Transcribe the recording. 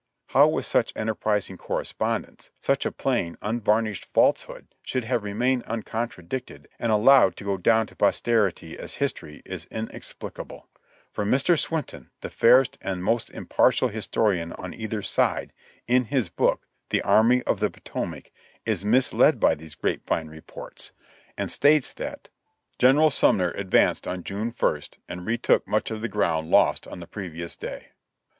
How with such enterprising correspondents, such a plain, un varnished falsehood should have remained uncontradicted and al lowed to go down to posterity as history, is inexplicable, for Mr. Swinton, the fairest and most impartial historian on either side, in his book, "The Army of the Potomac," is misled by these grape vine reports, and states that "General Sumner advanced on 154 JOHNNY RtB AND BILLY YANK June I St and re took much of the ground lost on the previous day."